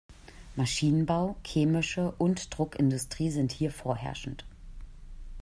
Maschinenbau, chemische und Druckindustrie sind hier vorherrschend.